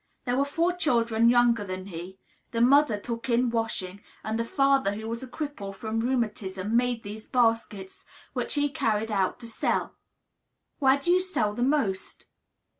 There were four children younger than he; the mother took in washing, and the father, who was a cripple from rheumatism, made these baskets, which he carried about to sell. "Where do you sell the most?"